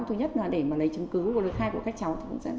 thứ nhất là để mà lấy chứng cứ của lực khai của các cháu